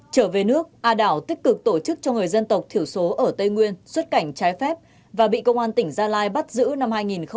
trở về nước a đảo tích cực tổ chức cho người dân tộc thiểu số ở tây nguyên xuất cảnh trái phép và bị công an tỉnh gia lai bắt giữ năm hai nghìn một mươi chín